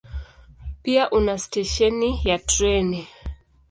Pia una stesheni ya treni.